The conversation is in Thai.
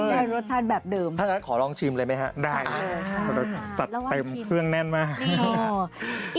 ได้รสชาติแบบเดิมขอลองชิมเลยไหมครับได้จัดเต็มเครื่องแน่นมาก